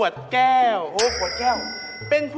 สาหร่าง